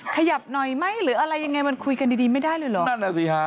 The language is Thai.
ขยับหน่อยไหมหรืออะไรยังไงมันคุยกันดีดีไม่ได้เลยเหรอนั่นน่ะสิฮะ